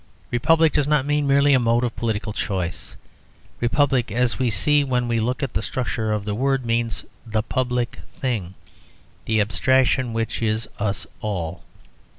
Republic does not mean merely a mode of political choice. Republic (as we see when we look at the structure of the word) means the Public Thing: the abstraction which is us all.